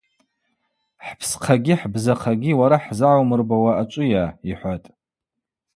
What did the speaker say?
Хӏпсхъагьи хӏбзахъагьи уара хӏзагӏаумырбауа ачӏвыйа? — йхӏватӏ.